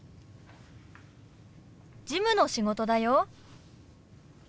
事務の仕事だよ。